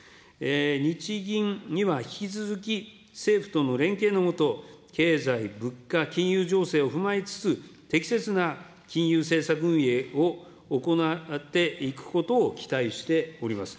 日銀には引き続き政府との連携の下、経済、物価、金融情勢を踏まえつつ、適切な金融政策運営を行っていくことを期待しております。